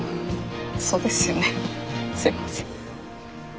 そうですよねすいません。